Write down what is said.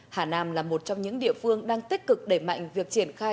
hà nam là một trong những địa phương đang tích cực đẩy mạnh việc triển khai